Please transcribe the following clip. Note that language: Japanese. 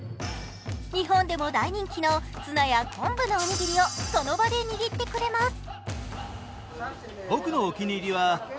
日本でも大人気のツナや昆布のおにぎりを、その場で握ってくれます。